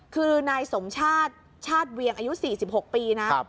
คือนายสมชาติชาติเวียงอายุ๔๖ปีนะ